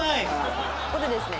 ここでですね